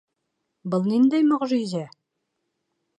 Был ниндәй мөғжизә?